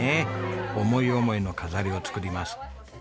思い思いの飾りを作ります。